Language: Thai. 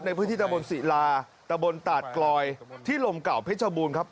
ในพื้นที่ตะบนศิลาตะบนตาดกลอยที่ลมเก่าเพชรบูรณ์ครับ